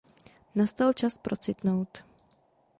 Nastal čas procitnout.